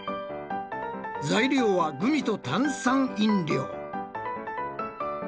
材料はグミと炭酸飲料。